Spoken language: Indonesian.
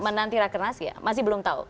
menanti rakyat kernas ya masih belum tahu